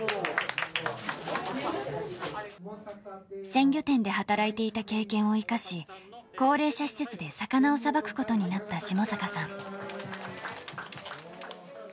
鮮魚店で働いていた経験を生かし、高齢者施設で魚をさばくことになった下坂さん。